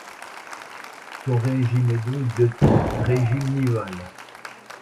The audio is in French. Son régime est donc de type régime nival.